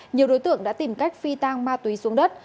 nhiều đối tượng đã tìm cách phi tang ma túy xuống đất